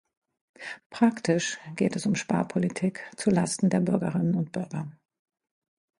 Praktisch geht es um Sparpolitik zu Lasten der Bürgerinnen und Bürger.